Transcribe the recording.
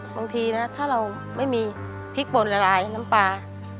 บางทีนะถ้าเราไม่มีพริกปนละลายน้ำปลา